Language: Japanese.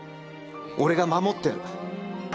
俺が守ってやる。